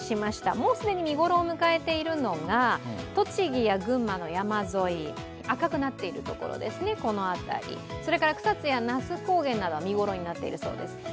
もう既に見頃を迎えているのが栃木と群馬の山沿い、赤くなっている所ですね、この辺りそれから草津や那須高原などは見頃になっているそうです。